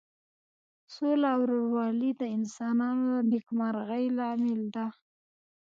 سوله او ورورولي د انسانانو د نیکمرغۍ لامل ده.